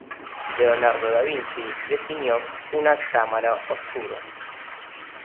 Leonardo Da Vinci definió una cámara oscura.